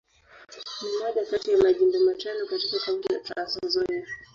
Ni moja kati ya Majimbo matano katika Kaunti ya Trans-Nzoia.